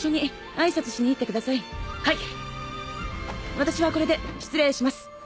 私はこれで失礼します。